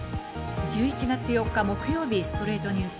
１１月４日、木曜日の『ストレイトニュース』。